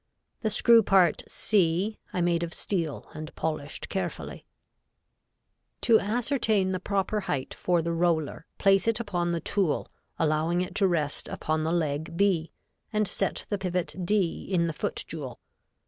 The screw part C, I made of steel and polished carefully. [Illustration: Fig. 7.] To ascertain the proper height for the roller, place it upon the tool, allowing it to rest upon the leg B, and set the pivot D in the foot jewel.